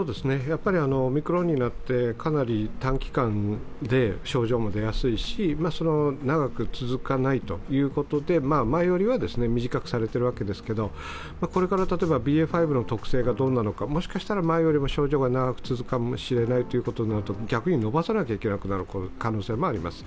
オミクロンになってかなり短期間で症状も出やすいし長く続かないということで前よりは短くされているわけですがこれから例えばＢＡ．５の特性がどうなのか、もしかしたら前よりも症状が長く続くかもしれないということになると逆に延ばさなきゃいけなくなる可能性もあります。